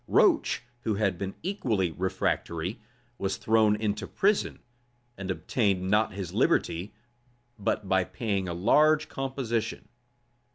Roach, who had been equally refractory, was thrown into prison, and obtained not his liberty but by paying a large composition.